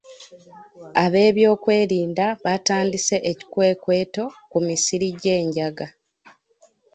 Abeebyokwerinda baatandise ekikwekweto ku misiri gy'enjaga.